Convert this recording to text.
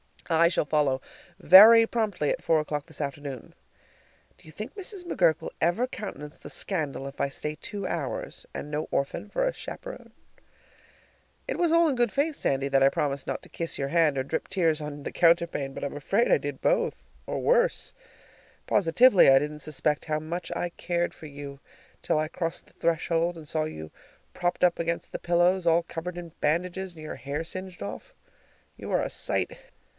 I shall follow VERY PROMPTLY at four o'clock this afternoon. Do you think Mrs. McGurk will ever countenance the scandal if I stay two hours, and no orphan for a chaperon? It was in all good faith, Sandy, that I promised not to kiss your hand or drip tears on the counterpane, but I'm afraid I did both or worse! Positively, I didn't suspect how much I cared for you till I crossed the threshold and saw you propped up against the pillows, all covered with bandages, and your hair singed off. You are a sight!